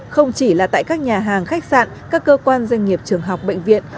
không chỉ là tại các nhà hàng khách sạn các cơ quan doanh nghiệp trường học bệnh viện